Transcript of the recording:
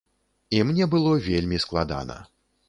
І мне было вельмі складана.